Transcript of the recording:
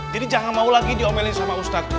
jadi jangan mau lagi diomelin sama ustadz